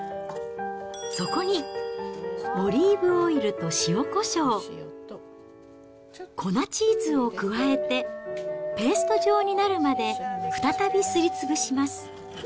そこにオリーブオイルと塩こしょう、粉チーズを加えて、ペースト状になるまで再びすりつぶします。